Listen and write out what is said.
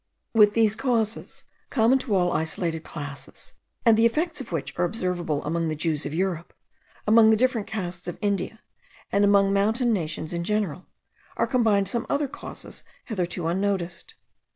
With these causes, common to all isolated classes, and the effects of which are observable among the Jews of Europe, among the different castes of India, and among mountain nations in general, are combined some other causes hitherto unnoticed.